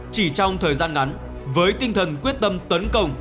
chỉ trong thời gian ngắn với tinh thần quyết tâm tấn công